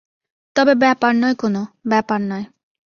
তবে ব্যাপার নয় কোনো, ব্যাপার নয়।